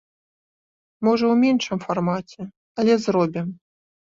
Можа, у меншым фармаце, але зробім.